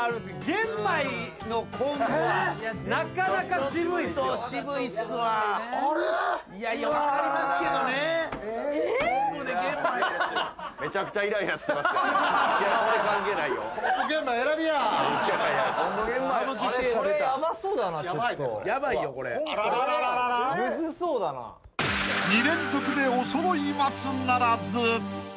［２連続でおそろい松ならず］